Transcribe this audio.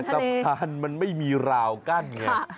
แต่สะพานมันไม่มีราวกั้นค่ะ